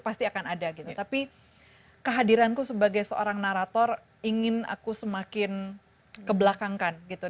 pasti akan ada gitu tapi kehadiranku sebagai seorang narator ingin aku semakin kebelakangkan gitu